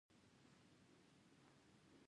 کلي د افغانانو لپاره په معنوي لحاظ ارزښت لري.